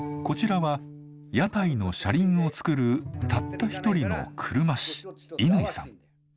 こちらは屋台の車輪を作るたった一人の車師乾さん。